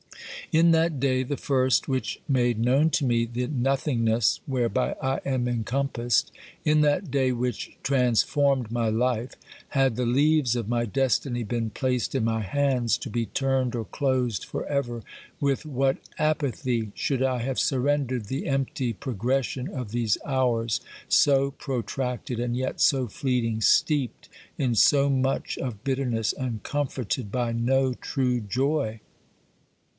In that day, the first which made known to me the nothingness whereby I am encompassed, in that day which transformed my life, had the leaves of my destiny been placed in my hands to be turned or closed for ever, with what apathy should I have surrendered the empty pro gression of these hours, so protracted and yet so fleeting, steeped in so much of bitterness, and comforted by no true joy.